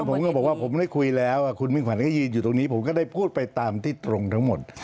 ผมก็บอกว่าผมได้คุยแล้วคุณมิ่งขวัญก็ยืนอยู่ตรงนี้ผมก็ได้พูดไปตามที่ตรงทั้งหมด